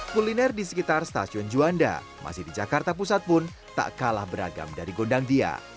kuliner di sekitar stasiun juanda masih di jakarta pusat pun tak kalah beragam dari gondang dia